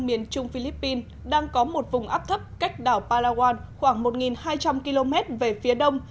miền trung philippines đang có một vùng áp thấp cách đảo palawan khoảng một hai trăm linh km về phía đông